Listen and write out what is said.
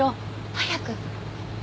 早く。